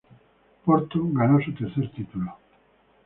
Porto ganó su tercer título.